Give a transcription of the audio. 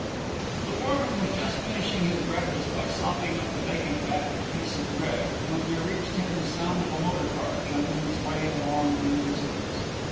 The foreman was just finishing his breakfast by sopping up the bacon fat with a piece of bread, when there reached him the sound of a motor car chunking its way along in the distance.